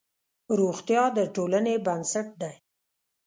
روغتیا د ټولنې بنسټ دی.